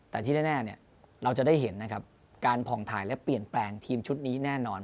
แต่ที่แน่เราจะได้เห็นนะครับการผ่องถ่ายและเปลี่ยนแปลงทีมชุดนี้แน่นอน